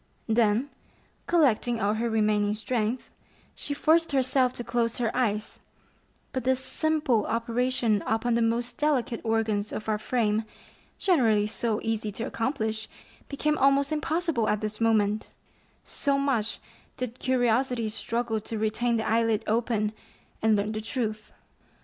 Then collecting all her remaining strength, she forced herself to close her eyes; but this simple operation upon the most delicate organs of our frame, generally so easy to accomplish, became almost impossible at this moment, so much did curiosity struggle to retain the eyelid open and learn the truth.